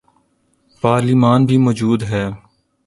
پارلیمان بھی موجود ہے۔